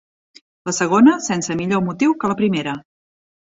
La segona sense millor motiu que la primera.